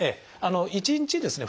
１日ですね